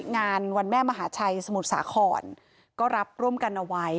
งานวันแม่มหาชัยสมุทรสาครก็รับร่วมกันเอาไว้